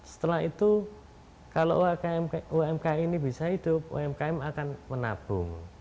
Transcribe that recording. setelah itu kalau umkm ini bisa hidup umkm akan menabung